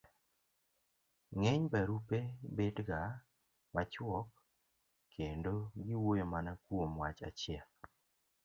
ng'eny barupe bet ga machuok kendo giwuoyo mana kuom wach achiel.